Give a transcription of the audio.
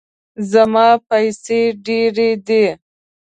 زما پیسې ډیرې دي